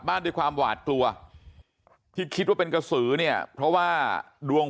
ด้วยความหวาดกลัวที่คิดว่าเป็นกระสือเนี่ยเพราะว่าดวง